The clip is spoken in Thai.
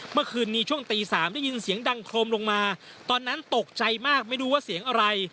เมื่อคืนนี้ช่วงตี๓ได้ยินเสียงดังโครมลงมาตอนนั้นตกใจมากไม่รู้ว่าเสียงอะไร